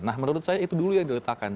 nah menurut saya itu dulu yang diletakkan